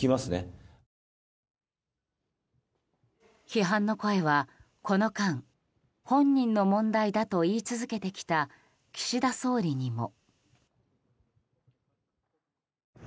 批判の声は、この間本人の問題だと言い続けてきた岸田総理にも。